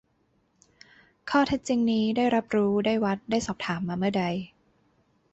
ข้อเท็จจริงนี้ ได้รับรู้ ได้วัด ได้สอบถาม มาเมื่อใด